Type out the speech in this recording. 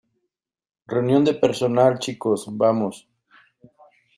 Reunión de personal, chicos. Vamos .